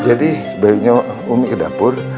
jadi sebaiknya ummi ke dapur